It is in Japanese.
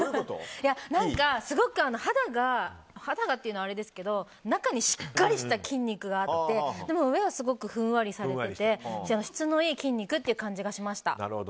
すごく肌がというのはあれですけど中にしっかりした筋肉があってでも上はすごくふんわりされてて質のいい筋肉って感じがしました。